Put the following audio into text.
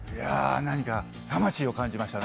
何か魂を感じましたね。